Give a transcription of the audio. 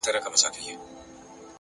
صبر د وخت له فشار سره همغږی دی.!